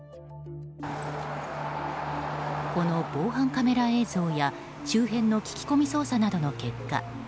この防犯カメラ映像や周辺の聞き込み捜査などの結果